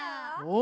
お！